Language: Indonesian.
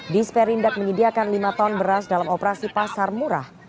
disperindak menyediakan lima ton beras dalam operasi pasar murah